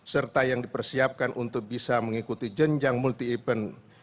serta yang dipersiapkan untuk bisa mengikuti jenjang multi event